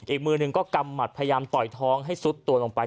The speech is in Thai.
อีกมือหนึ่งก็กำหมัดพยายามต่อยท้องให้ซุดตัวลงไป